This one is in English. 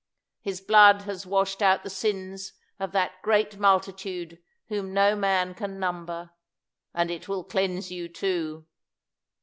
His blood has washed out the sins of that great multitude whom no man can number, and it will cleanse you too.